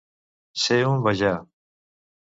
Ser un bajà.